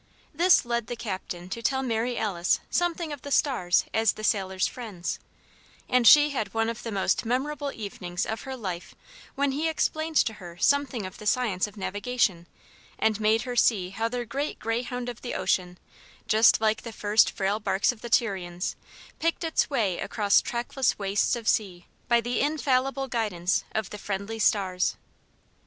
This led the Captain to tell Mary Alice something of the stars as the sailors' friends; and she had one of the most memorable evenings of her life when he explained to her something of the science of navigation and made her see how their great greyhound of the ocean, just like the first frail barks of the Tyrians, picked its way across trackless wastes of sea by the infallible guidance of "the friendly stars."